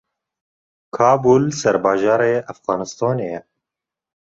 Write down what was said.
Kabûl serbajarê Efxanistanê ye.